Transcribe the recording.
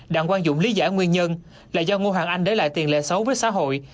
đặng quang dũng lý giải nguyên nhân là do ngô hoàng anh để lại tiền lệ xấu với xã hội